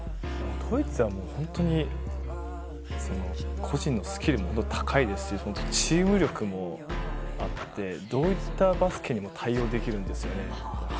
ドイツは本当に個人のスキルも高いですし、チーム力もあって、どういったバスケにも対応できるんですよね。